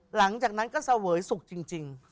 หลังจากนั้นก็เสวยสุขจริง